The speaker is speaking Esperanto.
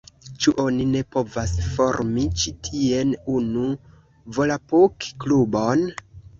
Ĉu oni ne povas formi ĉi tien unu volapuk-klubon?